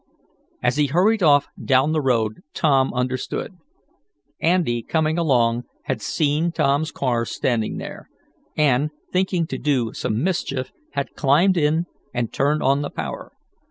As he hurried off down the road Tom understood. Andy coming along, had seen Tom's car standing there, and, thinking to do some mischief, had climbed in, and turned on the power.